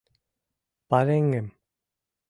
— Пареҥгым.